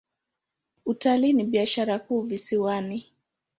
Utalii ni biashara kuu visiwani.